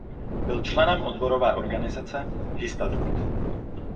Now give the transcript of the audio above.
Byl členem odborové organizace Histadrut.